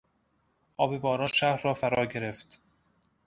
آب باران شهر را فراگرفت.